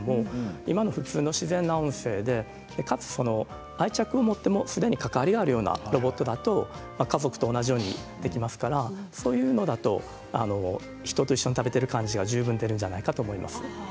今の普通の自然の音声でかつ愛着を持って関わりがあるようなロボットだと家族と同じようにできますからそういうものであれば人と一緒に食べている感じが十分出るんじゃないかと思います。